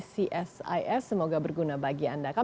csis semoga berguna bagi anda